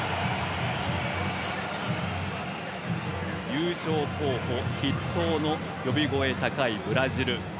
優勝候補筆頭の呼び声高いブラジル。